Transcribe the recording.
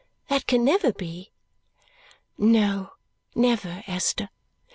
That can never be." "No, never, Esther."